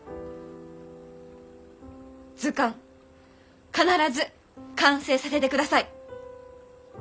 図鑑必ず完成させてください。